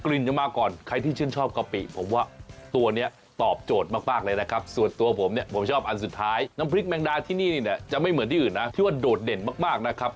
ลิ่นจะมาก่อนใครที่ชื่นชอบกะปิผมว่าตัวนี้ตอบโจทย์มากเลยนะครับส่วนตัวผมเนี่ยผมชอบอันสุดท้ายน้ำพริกแมงดาที่นี่นี่เนี่ยจะไม่เหมือนที่อื่นนะที่ว่าโดดเด่นมากนะครับ